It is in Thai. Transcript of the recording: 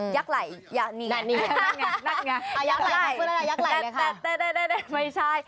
ยักษ์ไหลนี่ไงนั่นไง